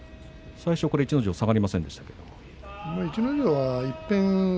最初、逸ノ城下がりませんでした。